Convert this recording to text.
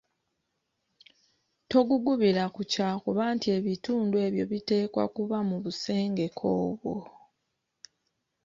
Togugubira ku kyakuba nti ebitundu ebyo biteekwa kuba mu busengeke obwo.